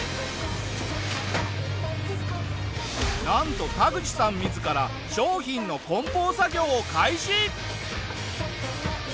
なんとタグチさん自ら商品の梱包作業を開始。